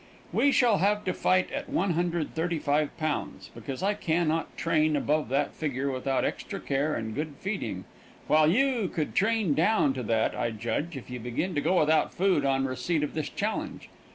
We shall have to fight at 135 pounds, because I can not train above that figure without extra care and good feeding, while you could train down to that, I judge, if you begin to go without food on receipt of this challenge.